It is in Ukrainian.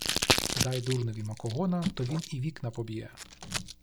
Дай дурневі макогона, то він і вікна поб’є.